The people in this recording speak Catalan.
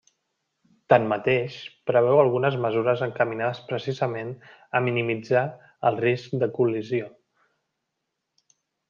Tanmateix, preveu algunes mesures encaminades precisament a minimitzar el risc de col·lisió.